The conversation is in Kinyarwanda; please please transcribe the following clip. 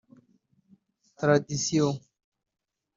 Tradición